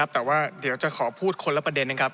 แต่ว่าจะขอพูดคนละประเด็นไว้ครับ